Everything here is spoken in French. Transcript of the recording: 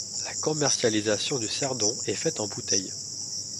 La commercialisation du cerdon est faite en bouteilles.